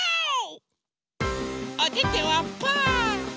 おててはパー。